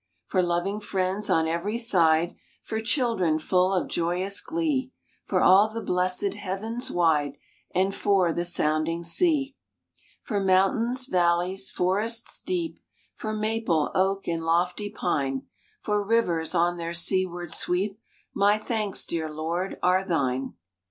For loving friends on every side ; For children full of joyous glee; For all the blessed Heavens wide, And for the sounding sea ; For mountains, valleys, forests deep; For maple, oak, and lofty pine; For rivers on their seaward sweep, My thanks, dear Lord, are Thine